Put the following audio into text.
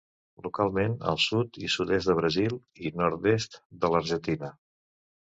Localment al sud i sud-est de Brasil i nord-est de l'Argentina.